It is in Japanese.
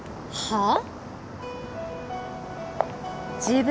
はあ？